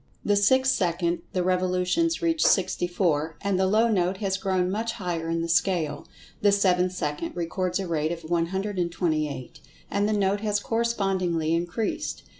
The sixth second the revolutions reach sixty four, and the low note has grown much higher in the scale. The seventh second records a rate of 128, and the note has correspondingly increased.